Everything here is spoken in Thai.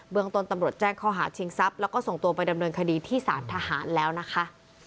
เมืองต้นตำรวจแจ้งข้อหาชิงทรัพย์แล้วก็ส่งตัวไปดำเนินคดีที่สารทหารแล้วนะคะ